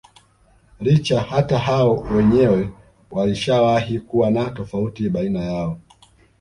Licha hata hao wenyewe walishawahi kuwa na tofauti baina yao